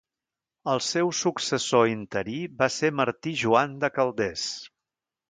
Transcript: El seu successor interí va ser Martí Joan de Calders.